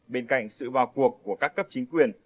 bên cạnh sự vào cuộc của các cấp chính quyền